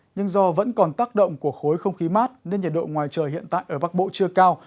nhưng do vẫn còn tác động của khối không khí mát nên nhiệt độ ngoài trời hiện tại ở bắc bộ chưa cao